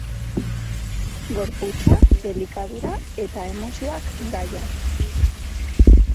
Gorputza, elikadura eta emozioak gaia.